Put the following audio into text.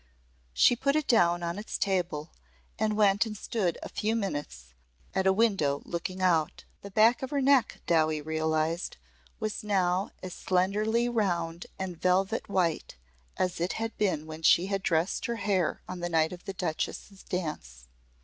She put it down on its table and went and stood a few minutes at a window looking out. The back of her neck, Dowie realised, was now as slenderly round and velvet white as it had been when she had dressed her hair on the night of the Duchess' dance.